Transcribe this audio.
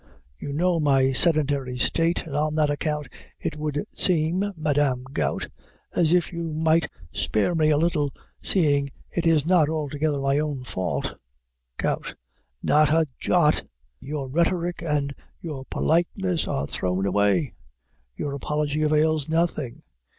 You know my sedentary state, and on that account, it would seem, Madam Gout, as if you might spare me a little, seeing it is not altogether my own fault. GOUT. Not a jot; your rhetoric and your politeness are thrown away; your apology avails nothing.